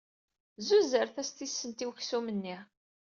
Zuzret-as tissent i uksum-nni.